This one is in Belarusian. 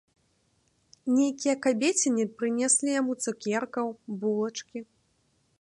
Нейкія кабеціны прынеслі яму цукеркаў, булачкі.